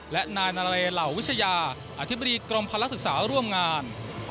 และนายนาเลเหล่าวิทยาอธิบดีกรมพลักษึกษาร่วมงาน